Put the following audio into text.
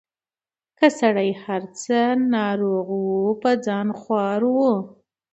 که سړی هر څه ناروغ وو په ځان خوار وو